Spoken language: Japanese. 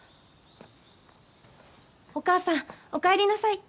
お母さんおかえりなさい。